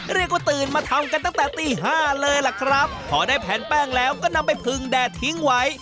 เรียกว่าตื่นมาทำกันตั้งแต่ตีห้าเลยล่ะครับพอได้แผนแป้งแล้วก็นำไปพึงแดดทิ้งไว้